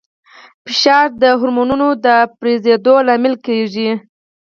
فشار د هورمونونو د افرازېدو لامل کېږي.